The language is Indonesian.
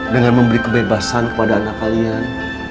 dengan memberi kebebasan kepada anak kalian